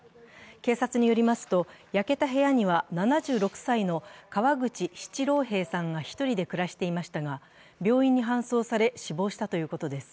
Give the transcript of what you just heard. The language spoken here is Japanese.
警察によりますと、焼けた部屋には７６歳の川口七郎平さんが１人で暮らしていましたが病院に搬送され、死亡したということです。